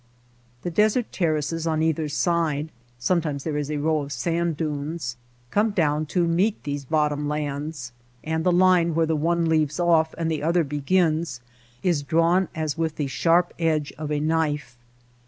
The desert terraces on either side (sometimes there is a row of sand dunes) comedown to meet these ^'bottom^^ lands. THE SILENT RIVER and the line where the one leaves off and the other begins is drawn as with the sharp edge of a knife.